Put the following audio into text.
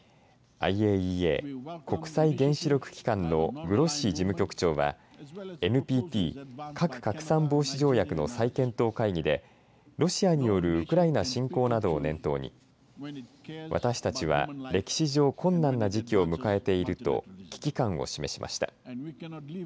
ＩＡＥＡ、国際原子力機関のグロッシ事務局長はＮＰＴ、核拡散防止条約の再検討会議でロシアによるウクライナ侵攻などを念頭に私たちは歴史上困難な時期を迎えていると危機感を示しました。